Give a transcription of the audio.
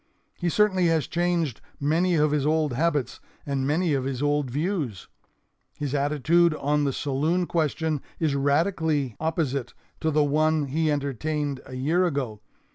He certainly has changed many of his old habits and many of his old views. His attitude on the saloon question is radically opposite to the one he entertained a year ago.